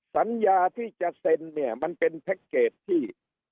สัญญาที่จะเซ็นเนี่ยมันเป็นแพ็คเกจที่